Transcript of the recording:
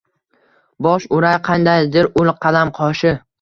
Bosh uray qaydadir ul qalam qoshi